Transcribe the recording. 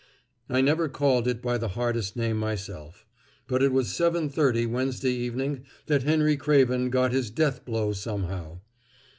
I never called it by the hardest name, myself; but it was seven thirty Wednesday evening that Henry Craven got his death blow somehow.